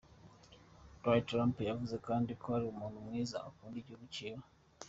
Donald Trump yavuze kandi ko "ari umuntu mwiza" akunda igihugu ciwe.